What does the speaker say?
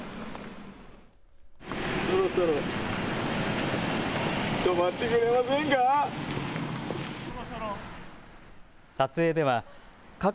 そろそろ止まってくれませんか。